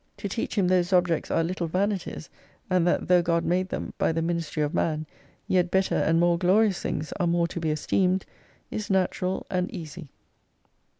To teach him those objects are little vani ties, and that though God made them, by the ministry of man, yet better and more glorious things are more to be esteemed, is natural and easy.